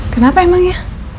kenapa emang ya